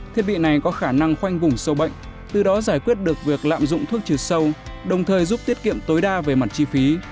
thiết bị này có khả năng khoanh vùng sâu bệnh từ đó giải quyết được việc lạm dụng thuốc trừ sâu đồng thời giúp tiết kiệm tối đa về mặt chi phí